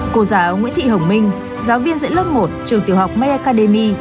cô giáo nguyễn thị hồng minh giáo viên dạy lớp một trường tiểu học may academy